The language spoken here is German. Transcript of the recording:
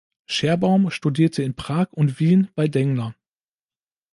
Scherbaum studierte in Prag und Wien bei Dengler.